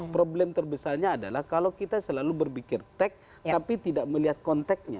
problem terbesarnya adalah kalau kita selalu berpikir tek tapi tidak melihat konteknya